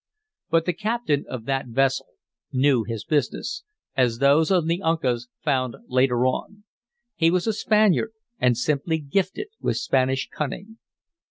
But the captain of that vessel knew his business, as those on the Uncas found later on. He was a Spaniard, and simply gifted with Spanish cunning.